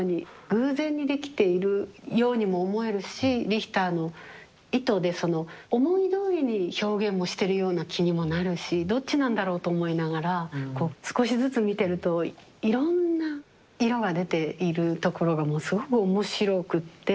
偶然にできているようにも思えるしリヒターの意図でその思いどおりに表現もしてるような気にもなるしどっちなんだろうと思いながらこう少しずつ見てるといろんな色が出ているところがもうすごく面白くって。